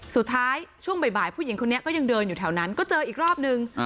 ช่วงบ่ายผู้หญิงคนนี้ก็ยังเดินอยู่แถวนั้นก็เจออีกรอบนึง